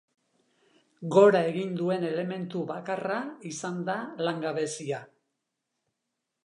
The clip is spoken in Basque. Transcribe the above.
Gora egin duen elementu bakarra izan da langabezia.